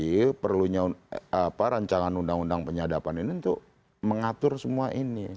jadi perlunya apa rancangan undang undang penyadapan ini untuk mengatur semua ini